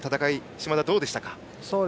嶋田はどうでしたか？